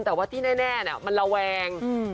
แต่ว่าที่แน่มันระแวง